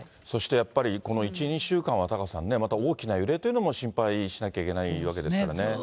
そしてやっぱりこの１、２週間はタカさんね、また大きな揺れというのも心配しなきゃいけないわけですからね。